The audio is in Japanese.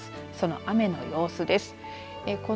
その雨の様子です。